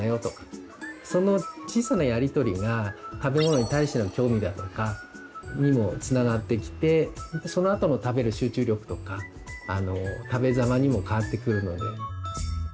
その小さなやり取りが食べ物に対しての興味だとかにもつながってきてそのあとの食べる集中力とかあの食べざまにもかわってくるので。